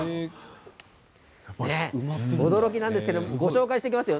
驚きなんですけれどもご紹介していきますよ。